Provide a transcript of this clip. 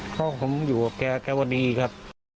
เพราะผมอยู่กับแกแกว่าดีครับ